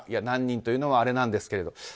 何人というのはあれなんですけども。